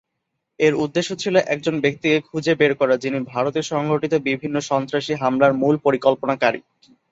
এর উদ্দেশ্য ছিল একজন ব্যক্তিকে খুঁজে বের করা, যিনি ভারতে সংঘটিত বিভিন্ন সন্ত্রাসী হামলার মূল পরিকল্পনাকারী।